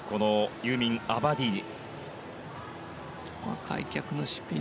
ユーミン・アバディーニ。